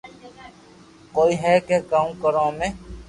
ڪوئي ھي ڪي ڪاو ڪرو امي